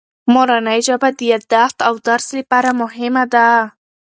مورنۍ ژبه د یادښت او درس لپاره مهمه ده.